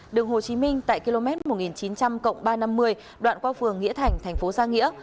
đường hồ chí minh tại km một nghìn chín trăm linh ba trăm năm mươi đoạn qua phường nghĩa thành thành phố giang nghĩa